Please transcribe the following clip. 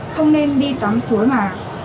không nên đi tắm suối mà